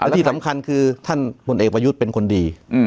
ที่สำคัญคือท่านพลเอกประยุทธ์เป็นคนดี